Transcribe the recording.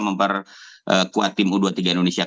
memperkuat tim u dua puluh tiga indonesia